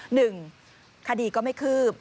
หนึ่งคดีก็ไม่คืบ